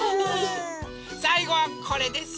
さいごはこれです。